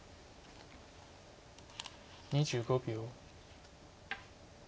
２５秒。